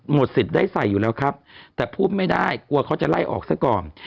สิทธิ์ได้ใส่อยู่แล้วครับแต่พูดไม่ได้กลัวเขาจะไล่ออกซะก่อน